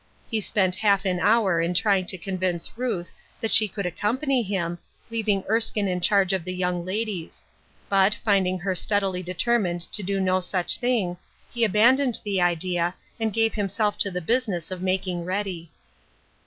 He spent half an hour in trying to convince Ruth that she could accompany him, leaving Erskine in charge of the young ladies ; but, finding her steadily determined to do no such thing, he abandoned the idea, and gave himself to the business of making ready.